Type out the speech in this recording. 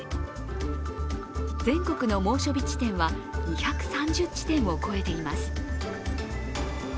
全国の猛暑日地点は２３０地点を超えています。